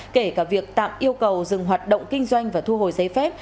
kể cả việc tạm yêu cầu dừng hoạt động kinh doanh và thu hồi giấy phép